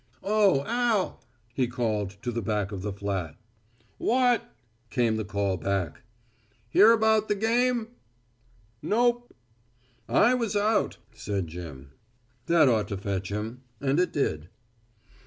"Oh, Al," he called to the back of the flat. "What?" came the call back. "Hear about the game?" "Nope." "I was out," said Jim. That ought to fetch him and it did.